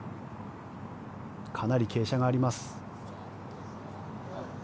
かなり傾斜があります。